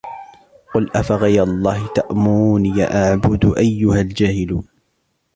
قُلْ أَفَغَيْرَ اللَّهِ تَأْمُرُونِّي أَعْبُدُ أَيُّهَا الْجَاهِلُونَ